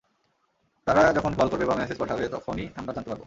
তারা যখন কল করবে বা মেসেজ পাঠাবে তখনই আমরা জানতে পারব।